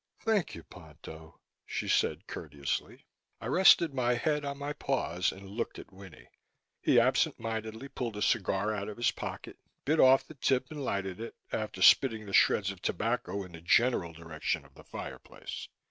"Thank you, Ponto," she said courteously. I rested my head on my paws and looked at Winnie. He absent mindedly pulled a cigar out of his pocket, bit off the tip and lighted it, after spitting the shreds of tobacco in the general direction of the fireplace.